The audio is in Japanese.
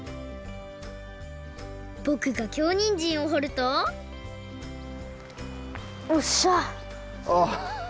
ぼくが京にんじんをほるとおっしゃ！